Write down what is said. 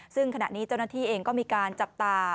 ซึ่งขณะนี้เจ้าหน้าที่เองก็มีการจับตา